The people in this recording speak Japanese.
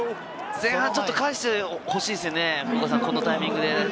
前半ちょっと返してほしいですよね、このタイミングで。